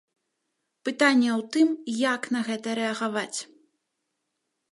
Пытанне ў тым, як на гэта рэагаваць.